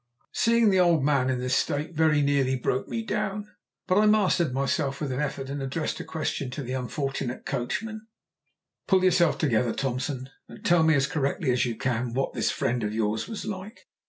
Seeing the old man in this state very nearly broke me down, but I mastered myself with an effort and addressed a question to the unfortunate coachman "Pull yourself together, Thompson, and tell me as correctly as you can what this friend of yours was like."